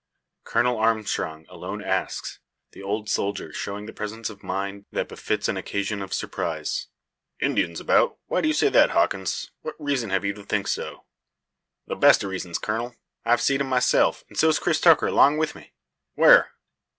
Colonel Armstrong alone asks, the old soldier showing the presence of mind that befits an occasion of surprise. "Indians about? Why do you say that, Hawkins? What reason have you to think so?" "The best o' reasons, colonel. I've seed them myself, and so's Cris Tucker along with me." "Where?"